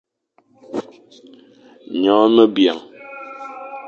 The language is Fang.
Nyongh me biang.